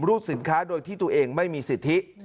สินค้าโดยที่ตัวเองไม่มีสิทธิ